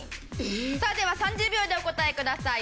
さあでは３０秒でお答えください。